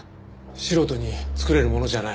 素人に作れるものじゃない。